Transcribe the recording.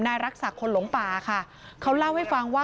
รักษักคนหลงป่าค่ะเขาเล่าให้ฟังว่า